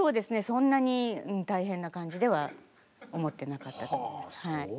そんなに大変な感じでは思ってなかったと思います。